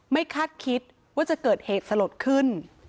คาดคิดว่าจะเกิดเหตุสลดขึ้น